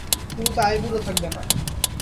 তুমি তো আইবুড়ো থাকবে না?